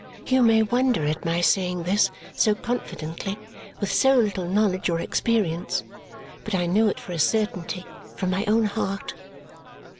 You may wonder at my saying this so confidently with so little knowledge or experience, but I know it for a certainty from my own heart.